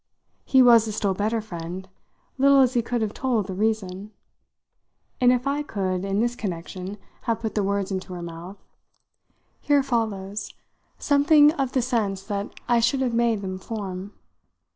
He was a still better friend, little as he could have told the reason; and if I could in this connection have put the words into her mouth, here follows something of the sense that I should have made them form.